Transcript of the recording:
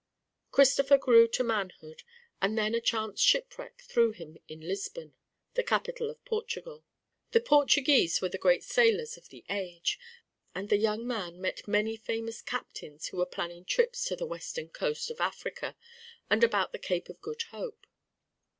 Christopher grew to manhood, and then a chance shipwreck threw him in Lisbon, the capital of Portugal. The Portuguese were the great sailors of the age, and the young man met many famous captains who were planning trips to the western coast of Africa and about the Cape of Good Hope.